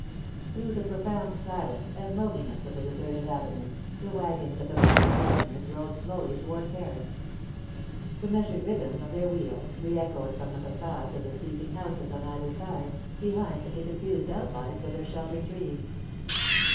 T hrough the profound silence and loneliness of the deserted avenue, the wagons of the market garden ers rolled slowly toward Paris; the measured rhythm of their wheels, re echoed from the fayades of the sleeping houses on either side, behind the confused outlines of their sheltering trees.